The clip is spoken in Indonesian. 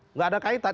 nggak ada kaitan